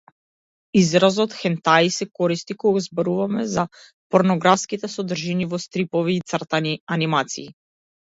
Изразот хентаи се користи кога зборуваме за порнографските содржини во стрипови и цртани анимации.